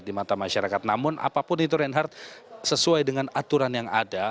di mata masyarakat namun apapun itu reinhardt sesuai dengan aturan yang ada